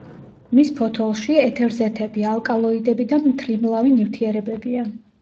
მის ფოთოლში ეთერზეთები, ალკალოიდები და მთრიმლავი ნივთიერებებია.